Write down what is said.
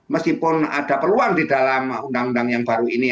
meskipun ada peluang di dalam undang undang yang baru ini